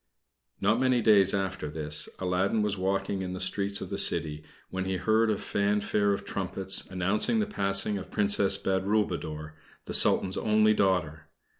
Not many days after this, Aladdin was walking in the streets of the city, when he heard a fanfare of trumpets announcing the passing of the Princess Badroulboudour, the Sultan's only daughter.